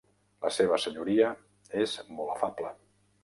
La seva senyoria és molt afable.